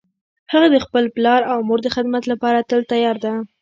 هغه د خپل پلار او مور د خدمت لپاره تل تیار ده